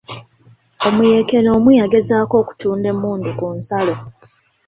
Omuyekera omu yagezaako okutunda emmundu ku nsalo.